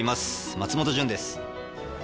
松本潤です。